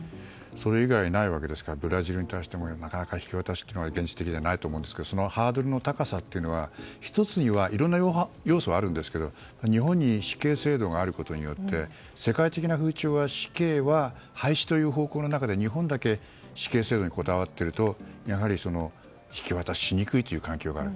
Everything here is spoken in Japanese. それ以外にはないわけですからブラジルに対してもなかなか引き渡しっていうのは現実的じゃないと思いますがそのハードルの高さというのは１つにはいろんな要素があるんですが日本に死刑制度があることで世界的な風潮の死刑廃止という方向の中で日本だけ死刑制度にこだわっているとやはり引き渡ししにくいという環境がある。